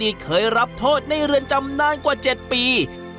เคยรับโทษในเรือนจำนานกว่า๗ปี